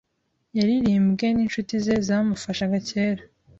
Yaririmbwe n'inshuti ze zamufashaga kera